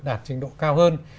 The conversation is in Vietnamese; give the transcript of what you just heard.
đạt trình độ cao hơn